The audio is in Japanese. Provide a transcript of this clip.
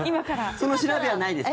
その調べはないですか？